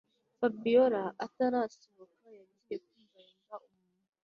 Fabiora atarasohoka yagiye kumva yumva umuntu